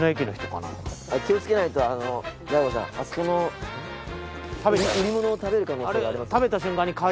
大悟さんあそこの売り物を食べる可能性があります。